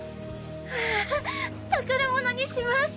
わっ宝物にします！